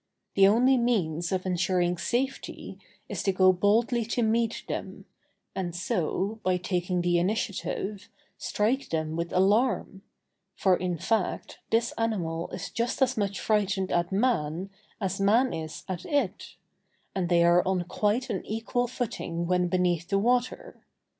The only means of ensuring safety, is to go boldly to meet them, and so, by taking the initiative, strike them with alarm: for in fact, this animal is just as much frightened at man, as man is at it; and they are on quite an equal footing when beneath the water.